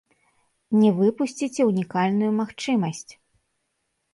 Не выпусціце унікальную магчымасць!